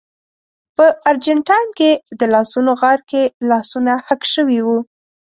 په ارجنټاین کې د لاسونو غار کې لاسونه حک شوي وو.